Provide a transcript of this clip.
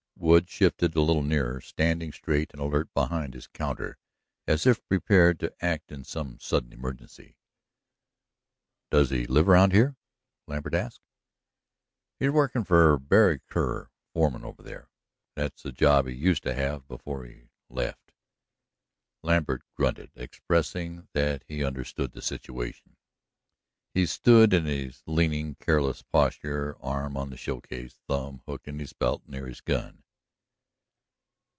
Wood shifted a little nearer, standing straight and alert behind his counter as if prepared to act in some sudden emergency. "Does he live around here?" Lambert asked. "He's workin' for Berry Kerr, foreman over there. That's the job he used to have before he left." Lambert grunted, expressing that he understood the situation. He stood in his leaning, careless posture, arm on the show case, thumb hooked in his belt near his gun.